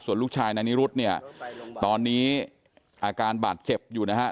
ส่วนลูกชายนายนิรุธเนี่ยตอนนี้อาการบาดเจ็บอยู่นะฮะ